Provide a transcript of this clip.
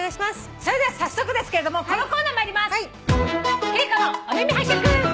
それでは早速ですけれどもこのコーナー参ります。